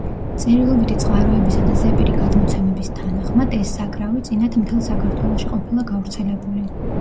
წერილობითი წყაროებისა და ზეპირი გადმოცემების თანახმად, ეს საკრავი წინათ მთელ საქართველოში ყოფილა გავრცელებული.